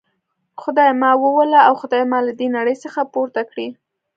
خدایه ما ووله او خدایه ما له دي نړۍ څخه پورته کړي.